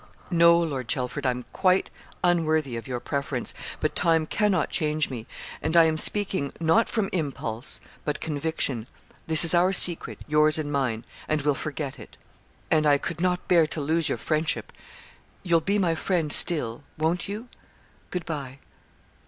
'No, Lord Chelford, I'm quite unworthy of your preference; but time cannot change me and I am speaking, not from impulse, but conviction. This is our secret yours and mine and we'll forget it; and I could not bear to lose your friendship you'll be my friend still won't you? Good bye.'